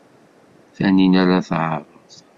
Taninna la tɛerreḍ.